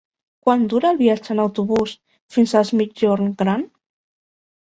Quant dura el viatge en autobús fins a Es Migjorn Gran?